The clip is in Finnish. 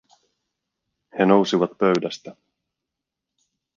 He nousivat pöydästä.